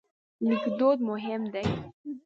لیکدود مهم دی.